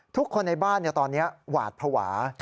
ทุกคนในบ้านตอนนี้หวาดภาวะ